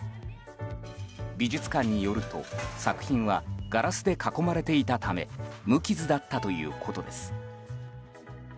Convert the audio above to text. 美術館によると作品はガラスで囲まれていたため無傷だったということです。